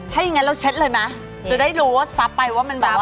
ถ้าอย่างงั้นเราเช็ดเลยไหมจะได้รู้ว่าซับไปว่ามันแบบ